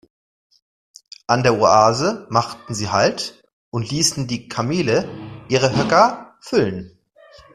An der Oase machten sie Halt und ließen die Kamele ihre Höcker füllen.